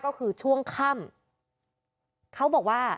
ก็คือช่วงค่ำเขาบอกว่า